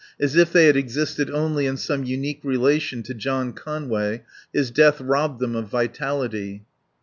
As if they had existed only in some unique relation to John Conway, his death robbed them of vitality.